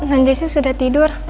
nenek jessy sudah tidur